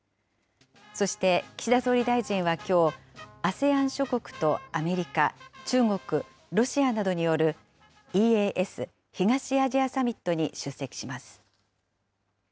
そして、岸田総理大臣はきょう、ＡＳＥＡＮ諸国とアメリカ、中国、ロシアなどによる、ＥＡＳ・東アジアサミットに出席します。